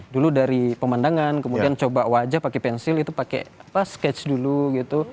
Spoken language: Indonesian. dulu dari pemandangan kemudian coba wajah pakai pensil itu pakai sketch dulu gitu